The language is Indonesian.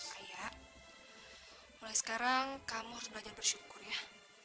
kayak mulai sekarang kamu harus belajar bersyukur ya